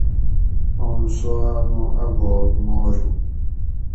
آم سُواۤ مُو اۤ باگ مارُو